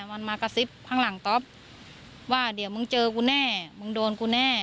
มันมากระซิบข้างหลังต๊อปว่าเดี๋ยวมึงเจอกูแน่มึงโดนกูแน่